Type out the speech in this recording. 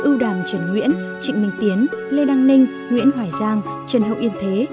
ưu đàm trần nguyễn trịnh minh tiến lê đăng ninh nguyễn hoài giang trần hậu yên thế